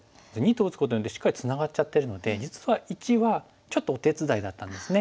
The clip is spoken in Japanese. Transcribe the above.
②と打つことによってしっかりツナがっちゃってるので実は①はちょっとお手伝いだったんですね。